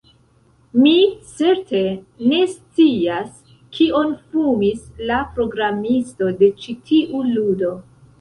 Mi certe ne scias kion fumis la programisto de ĉi tiu ludo